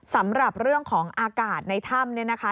สำหรับเรื่องของอากาศในถ้ำ